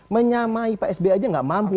menyamai rpsb saja tidak mampu